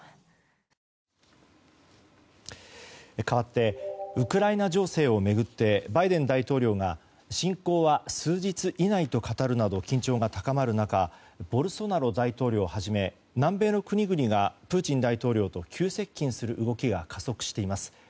かわってウクライナ情勢を巡ってバイデン大統領が侵攻は数日以内と語るなど緊張が高まる中ボルソナロ大統領をはじめ南米の国々がプーチン大統領と急接近する動きが加速しています。